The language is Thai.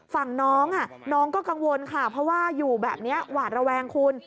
ฝั่งน้องน้องก็กังวลค่ะเพราะว่าอยู่แบบนี้หวาดระแวงคุณ